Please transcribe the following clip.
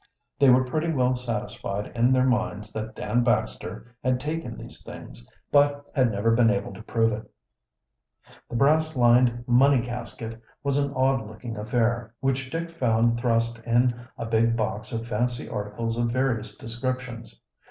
They were pretty well satisfied in their minds that Dan Baxter had taken these things, but had never been able to prove it. The brass lined money casket was an odd looking affair, which Dick found thrust in a big box of fancy articles of various descriptions.